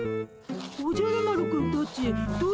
おじゃる丸くんたちどうしたの？